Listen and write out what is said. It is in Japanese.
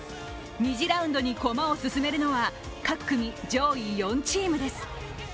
２次ラウンドに駒を進めるのは、各組上位４チームです。